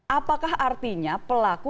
apakah artinya pelaku